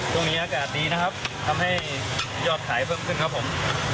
ช่วงนี้อากาศดีนะครับทำให้ยอดขายเพิ่มขึ้นครับผม